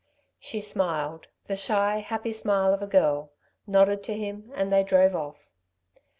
She smiled, the shy, happy smile of a girl, nodded to him, and they drove off.